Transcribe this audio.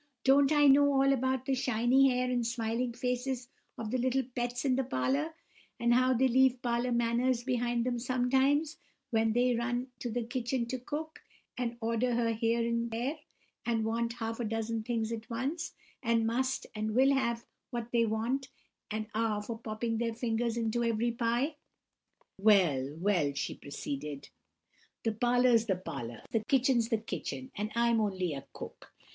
Don't I know all about the shiny hair and smiling faces of the little pets in the parlour, and how they leave parlour manners behind them sometimes, when they run to the kitchen to Cook, and order her here and there, and want half a dozen things at once, and must and will have what they want, and are for popping their fingers into every pie! "Well, well," she proceeded, "the parlour's the parlour, and the kitchen's the kitchen, and I'm only a cook.